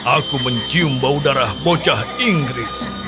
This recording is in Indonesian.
aku mencium bau darah bocah inggris